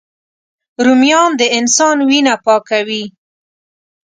رومیان د انسان وینه پاکوي